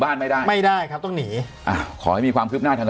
บ้านไม่ได้ไม่ได้ครับต้องหนีอ่าขอให้มีความคืบหน้าทาง